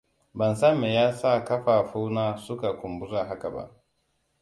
Ban san me yasa ƙafafuna suka kumbura haka ba.